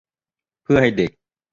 เพื่อให้เด็ก